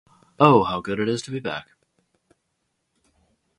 Oh, how good it is to be back!